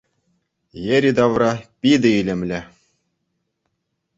Йӗри-тавра питӗ илемлӗ.